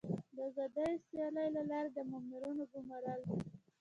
د آزادې سیالۍ له لارې د مامورینو ګمارل.